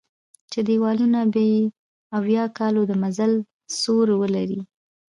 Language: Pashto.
چې دېوالونه به یې اویا کالو د مزل سور ولري.